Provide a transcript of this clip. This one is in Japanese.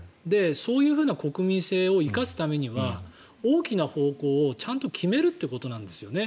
そういうふうな国民性を生かすためには大きな方向をちゃんと決めるということなんですよね。